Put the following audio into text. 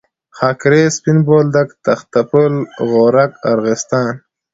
خاکریز، سپین بولدک، تخته پل، غورک، ارغستان.